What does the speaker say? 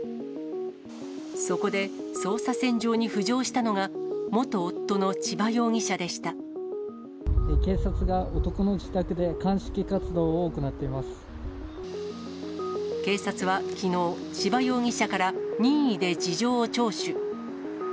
そこで捜査線上に浮上したのが、警察が男の自宅で、鑑識活動警察はきのう、千葉容疑者から任意で事情を聴取。